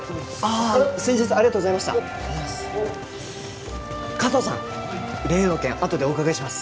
ああ先日はありがとうございました加藤さん例の件はいあとでお伺いします